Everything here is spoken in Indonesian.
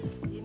ini bisa buat